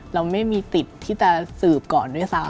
เราไม่มีติดที่จะสืบก่อนด้วยซ้ำ